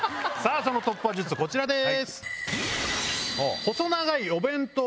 その突破術こちらです。